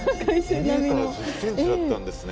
２メーター１０センチだったんですね。